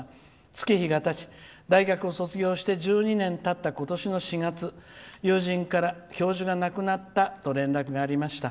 月日がたち大学を卒業して１２年たったことしの４月友人から教授が亡くなったと連絡がありました。